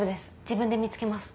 自分で見つけます。